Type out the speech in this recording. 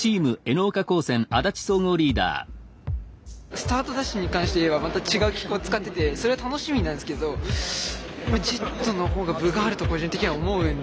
スタートダッシュに関して言えばまた違う機構使っててそれは楽しみなんですけどジェットのほうが分があると個人的には思うんで。